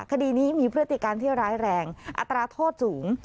คดีนี้มีพฤติการที่ร้ายแรงอัตราโทษสูง